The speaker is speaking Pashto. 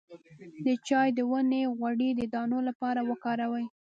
د چای د ونې غوړي د دانو لپاره وکاروئ